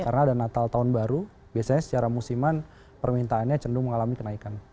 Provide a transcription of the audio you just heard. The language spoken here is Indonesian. karena ada natal tahun baru biasanya secara musiman permintaannya cenderung mengalami kenaikan